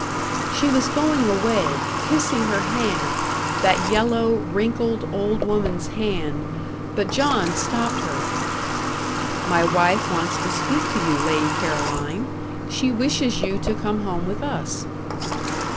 She was going away, kissing her hand that yellow, wrinkled, old woman's hand, but John stopped her. "My wife wants to speak to you, Lady Caroline. She wishes you to come home with us."